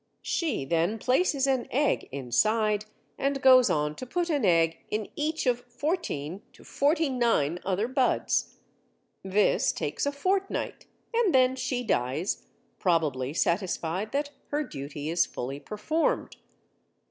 She then places an egg inside, and goes on to put an egg in each of fourteen to forty nine other buds. This takes a fortnight, and then she dies, probably satisfied that her duty is fully performed.